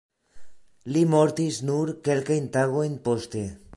Li mortis nur kelkajn tagojn poste.